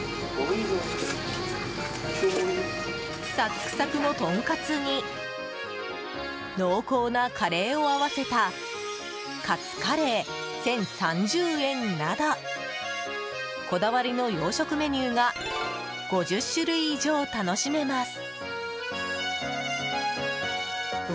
サックサクのトンカツに濃厚なカレーを合わせたかつカレー、１０３０円などこだわりの洋食メニューが５０種類以上楽しめます。